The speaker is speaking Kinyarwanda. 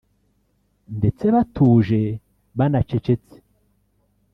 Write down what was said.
ndetse batuje banacecetse